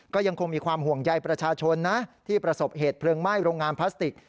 ก็ยังคงมีความห่วงใยประชาชนนะที่ประสบเหตุเพลิงไหม้โรงงานพลาสติก